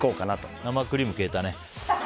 生クリーム消えたね。